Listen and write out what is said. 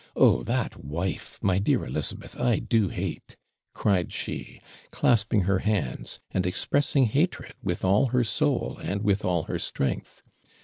Oh that wife, my dear Elizabeth, I do hate!' cried she, clasping her hands, and expressing hatred with all her soul and with all her strength.